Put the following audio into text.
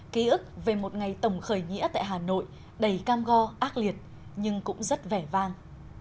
ký ức về một ngày tổng khởi nghĩa tại hà nội đầy cam go ác liệt nhưng cũng rất vẻ vang